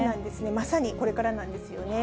まさにこれからなんですよね。